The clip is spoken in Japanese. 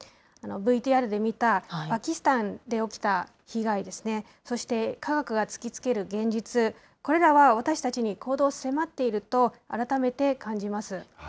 ＶＴＲで見た、パキスタンで起きた被害ですね、そして科学が突きつける現実、これらは私たちに行動を迫っていると改めて感じます。